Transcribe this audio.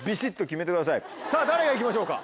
さぁ誰が行きましょうか？